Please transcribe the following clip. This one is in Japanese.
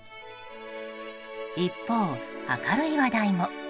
一方、明るい話題も。